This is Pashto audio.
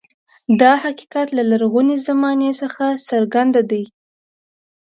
دا حقیقت له لرغونې زمانې څخه څرګند دی.